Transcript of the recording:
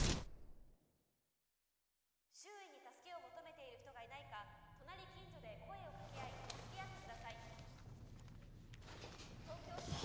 「周囲に助けを求めている人がいないか隣近所で声をかけ合い助け合ってください」。